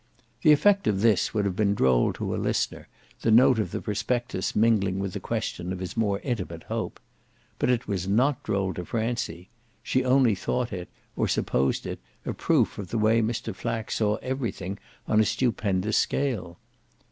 The effect of this would have been droll to a listener, the note of the prospectus mingling with the question of his more intimate hope. But it was not droll to Francie; she only thought it, or supposed it, a proof of the way Mr. Flack saw everything on a stupendous scale.